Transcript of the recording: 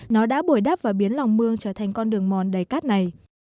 nó đã bồi đắp và biến lòng mương trở thành con đường mòn đầy cát này